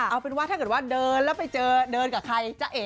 เอาเป็นว่าถ้าเกิดว่าเดินแล้วไปเจอเดินกับใครจ๊ะเอ๋